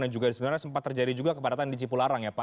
dan juga di semarang sempat terjadi juga kepadatan di cipularang ya pak